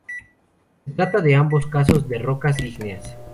Se trata en ambos casos de rocas ígneas.